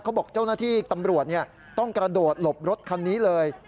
บอกเจ้าหน้าที่ตำรวจต้องกระโดดหลบรถคันนี้เลย